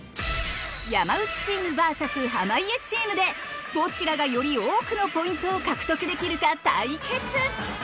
山内チームＶＳ濱家チームでどちらがより多くのポイントを獲得できるか対決！